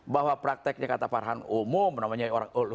bahwa prakteknya kata farhan umum namanya orang